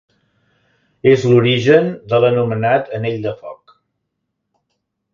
És l'origen de l'anomenat anell del foc.